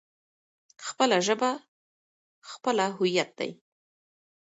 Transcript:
خپله ژبه خپله هويت دی.